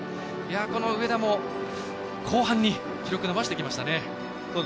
この上田も、後半に記録を伸ばしてきましたね。